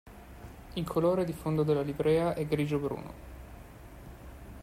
Il colore di fondo della livrea è grigio-bruno.